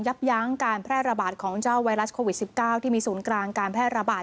ยั้งการแพร่ระบาดของเจ้าไวรัสโควิด๑๙ที่มีศูนย์กลางการแพร่ระบาด